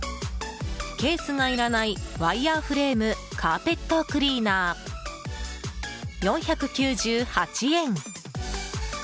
ケースが要らないワイヤーフレームカーペットクリーナー、４９８円。